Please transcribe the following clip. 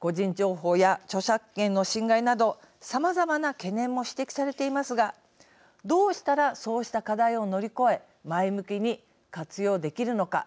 個人情報や著作権の侵害などさまざまな懸念も指摘されていますがどうしたらそうした課題を乗り越え前向きに活用できるのか。